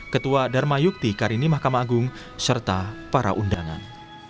ketua dharma yukti karini mahkamah agung serta para undangan